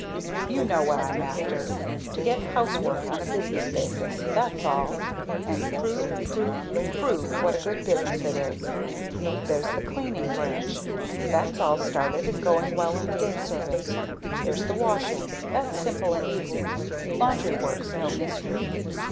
You know what I'm after to get 'housework' on a business basis, that's all; and prove, prove, PROVE what a good business it is. There's the cleaning branch that's all started and going well in the day service. There's the washing that's simple and easy. Laundry work's no mystery.